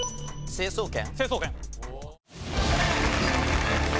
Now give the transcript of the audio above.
成層圏。